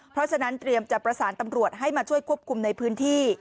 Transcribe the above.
เพราะฉะนั้นเตรียมจะประสานตำรวจให้มาช่วยควบคุมในพื้นที่